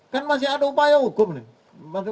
kan masih ada upaya hukum nih